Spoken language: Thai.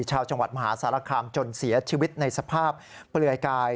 ชาวจังหวัดมหาสารคามจนเสียชีวิตในสภาพเปลือยกาย